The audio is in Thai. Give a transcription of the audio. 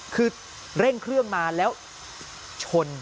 คือเร่งเครื่องมาแล้วชน